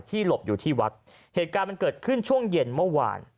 หลบอยู่ที่วัดเหตุการณ์มันเกิดขึ้นช่วงเย็นเมื่อวาน